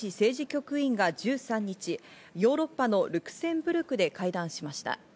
局員が１３日、ヨーロッパのルクセンブルクで会談しました。